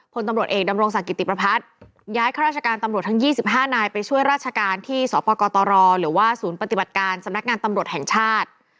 พลตำรวจเอกดำรงศักดิติประพัฒน์ย้ายข้าราชการตำรวจทั้ง๒๕นายไปช่วยราชการที่สปกตรหรือว่าศูนย์ปฏิบัติการสำนักงานตำรวจแห่งชาติ